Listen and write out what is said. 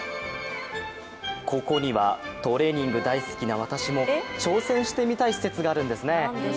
ここには、トレーニング大好きな私も挑戦してみたい施設があるんですね。